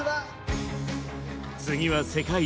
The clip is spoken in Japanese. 次は世界一。